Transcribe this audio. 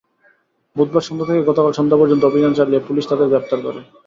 বুধবার সন্ধ্যা থেকে গতকাল সন্ধ্যা পর্যন্ত অভিযান চালিয়ে পুলিশ তাঁদের গ্রেপ্তার করে।